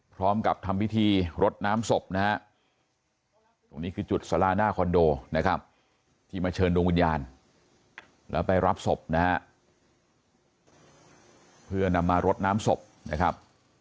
พร้อมกับทำพิธีรดน้ำศพนะฮะตรงนี้คือจุดสาราหน้าคอนโดนะครับที่มาเชิญดวงวิญญาณแล้วไปรับศพนะฮะเพื่อนำมารดน้ำศพนะครับ